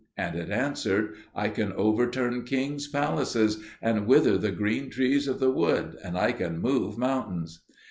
And it answered, "I can overturn kings' palaces, and wither the green trees of the wood, and I can move mountains."